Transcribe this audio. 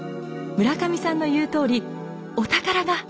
村上さんの言うとおりお宝が。